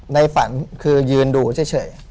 ในฝันคือยืนดูเฉย